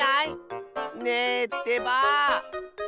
ねえってばぁ！